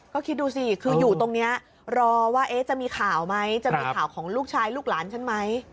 ก็คิดดูสิคืออยู่ตรงนี้รอว่าจะมีข่าวไหมจะมีข่าวของลูกชายลูกหลานฉันไหม